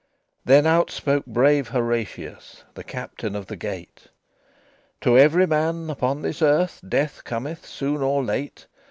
XXVII Then out spake brave Horatius, The Captain of the Gate: "To every man upon this earth Death cometh soon or late.